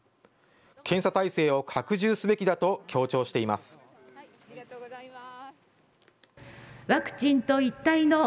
検査体制を拡充すべきだと強調しています。